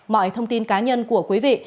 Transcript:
mọi thông tin cá nhân của quý vị